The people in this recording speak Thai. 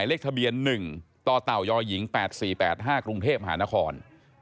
เลขทะเบียน๑ต่อเต่ายหญิง๘๔๘๕กรุงเทพมหานคร